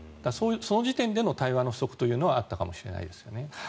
その時点での対話の不足というのはあったかもしれないですね。